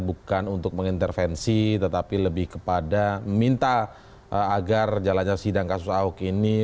bukan untuk mengintervensi tetapi lebih kepada meminta agar jalannya sidang kasus ahok ini